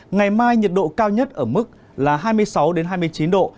ngày mai nhiệt độ cao nhất ở mức là hai mươi sáu hai mươi chín độ